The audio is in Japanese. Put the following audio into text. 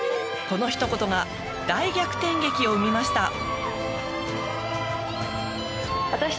このひと言が大逆転劇を生みました。